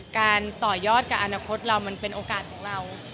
การต่อยอดกับอนาคตเรามันเป็นโอกาสของเรา